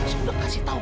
sebelah kasih tangan